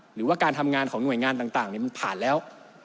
หรือว่าการทำงานของหน่วยงานต่างมันผ่านแล้ว